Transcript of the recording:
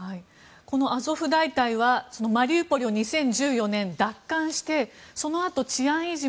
このアゾフ大隊はマリウポリを２０１４年に奪還して、そのあと治安維持